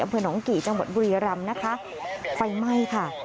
เผื่อนองกิจังหวัดบุรีรัมฟัยไหม้ค่ะ